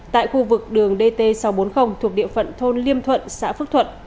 tại khu vực đường dt sáu trăm bốn mươi thuộc địa phận thôn liêm thuận xã phước thuận